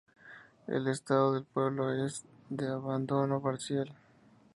El estado del pueblo es de abandono parcial.